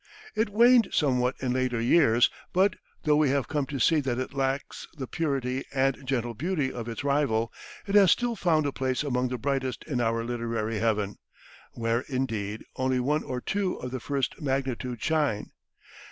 It waned somewhat in later years, but, though we have come to see that it lacks the purity and gentle beauty of its rival, it has still found a place among the brightest in our literary heaven where, indeed, only one or two of the first magnitude shine.